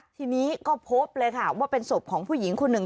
ทีนี้ก็พบเลยค่ะว่าเป็นศพของผู้หญิงคนหนึ่ง